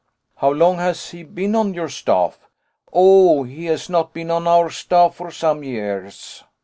"How long has he been on your staff?" "Oh! he has not been on our staff for some years."